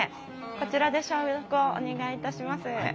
こちらで消毒をお願いいたします。